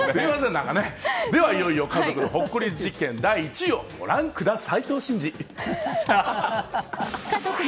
ではいよいよ家族のほっこり事件第１位をご覧ください。